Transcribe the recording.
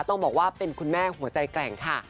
ต้องบอกว่าเป็นคุณแม่หัวใจแกร่งค่ะ